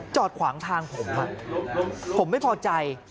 จอดขวางทางผมผมไม่พอใจ